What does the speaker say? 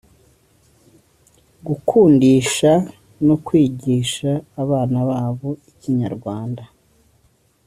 gukundisha no kwigisha abana babo Ikinyarwanda